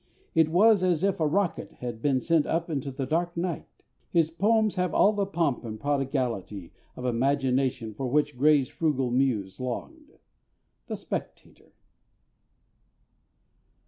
It was as if a rocket had been sent up into a dark night. His poems have all the "pomp and prodigality" of imagination for which Gray's frugal muse longed. _The Spectator.